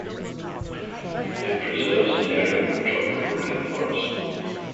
It preserves an area of tropical rainforest.